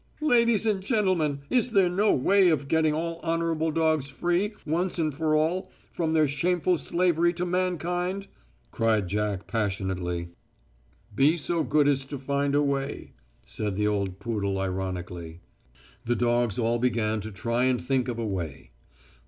"Ladies and gentlemen, is there no way of getting all honourable dogs free, once and for all, from their shameful slavery to mankind?" cried Jack passionately. "Be so good as to find a way," said the old poodle ironically. The dogs all began to try and think of a way.